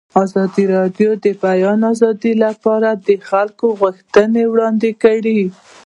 ازادي راډیو د د بیان آزادي لپاره د خلکو غوښتنې وړاندې کړي.